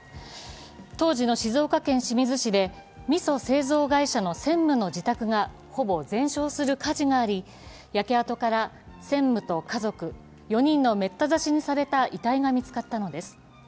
当時の静岡県清水市でみそ製造会社の専務の自宅がほぼ全焼する火事があり、焼け跡から専務と家族、４人のめった刺しにされた遺体が見つかったのです。